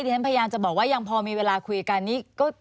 แล้วท่านพยายามจะบอกว่ายังพอมีเวลาคุยกันนี่